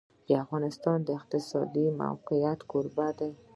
افغانستان د د افغانستان د موقعیت کوربه دی.